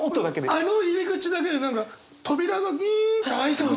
あの入り口だけで何か扉がウィンって開いた。